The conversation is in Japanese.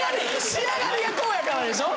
仕上がりがこうやからでしょ？